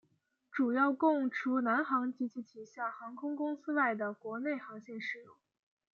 主要供除南航及其旗下航空公司外的国内航线使用。